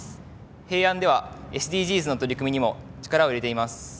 平安ではＳＤＧｓの取り組みにも力を入れています。